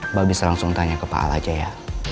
mbak bisa langsung tanya ke pak al aceh ya